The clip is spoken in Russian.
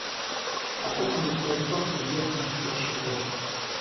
От окон густое солнце льется на спящий город.